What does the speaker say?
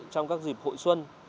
trong các dịp hội xuân